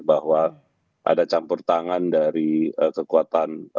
bahwa ada campur tangan dari kekuatan